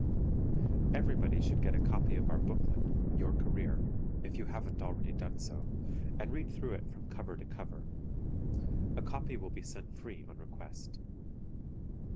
Everybody should get a copy of our booklet, "Your Career", if you haven't already done so, and read it through from cover to cover. (A copy will be sent free on request.)